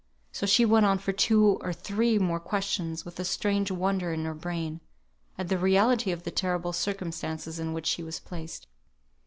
So she went on for two or three more questions, with a strange wonder in her brain, as to the reality of the terrible circumstances in which she was placed.